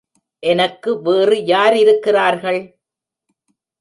எனக்கு வேறு யாரிருக்கிறார்கள்?